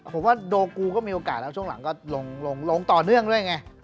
ผมว่าโดกูก็มีโอกาสแล้วช่วงหลังก็ลงต่อเนื่องด้วยไง